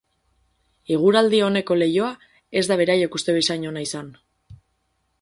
Eguraldi oneko leihoa ez da beraiek uste bezain ona izan.